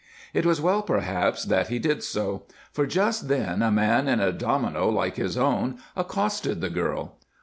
It was well, perhaps, that he did so, for just then a man in a domino like his own accosted the girl.